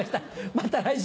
また来週！